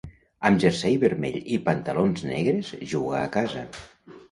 Amb jersei vermell i pantalons negres juga a casa.